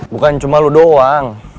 bukan cuma lu doang